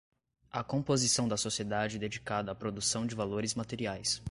a composição da sociedade dedicada à produção de valores materiais